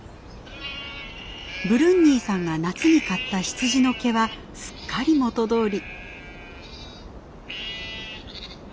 ブルンニーさんが夏に刈った羊の毛はすっかり元どおり。